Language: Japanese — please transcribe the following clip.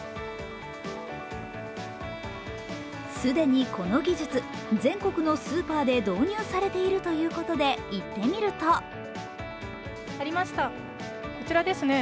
既にこの技術、全国のスーパーで導入されているということで行ってみるとありました、こちらですね。